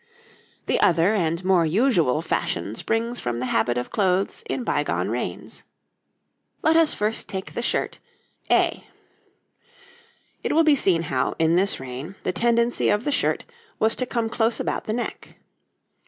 The other and more usual fashion springs from the habit of clothes in bygone reigns. Let us first take the shirt A. It will be seen how, in this reign, the tendency of the shirt was to come close about the neck.